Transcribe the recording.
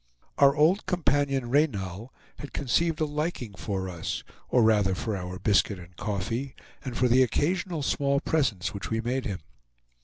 Our old companion Reynal had conceived a liking for us, or rather for our biscuit and coffee, and for the occasional small presents which we made him.